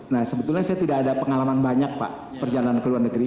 nah sebetulnya saya tidak ada pengalaman banyak pak perjalanan ke luar negeri